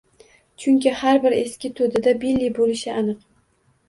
Chunki har bir eski toʻdada Billi boʻlishi aniq.